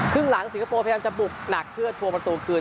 ครึ่งหลังสิงคโปร์พยายามจะบุกหนักเพื่อทวงประตูคืน